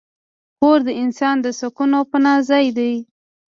کور د انسان د سکون او پناه ځای دی.